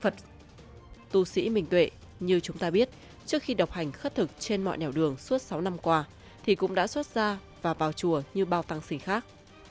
phật tu sĩ minh tuệ như chúng ta biết trước khi đọc hành khất thực trên mọi nẻo đường suốt sáu năm qua thì cũng đã xót xa và vào chùa như bao tăng sĩ khác